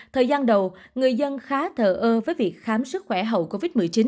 thời gian đầu người dân khá thờ ơ với việc khám sức khỏe hậu covid một mươi chín